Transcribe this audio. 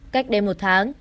cách đến một tháng